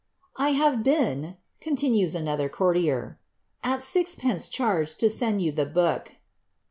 "I have been." continues another courtier, "at sitpence charee to send you ihe book."'